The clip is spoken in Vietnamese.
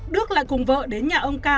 đức lại cùng vợ đến nhà ông ca